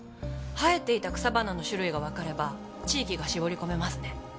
生えていた草花の種類がわかれば地域が絞り込めますね。